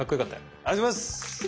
ありがとうございます！